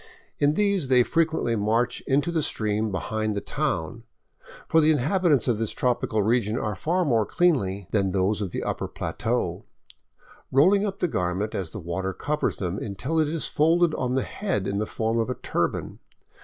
In these they frequently march into the stream behind the town — for the inhabitants of this tropical region are far more cleanly than those of the upper plateau — rolling up the garment as the water covers them, until it is folded on the head in the form of a turban.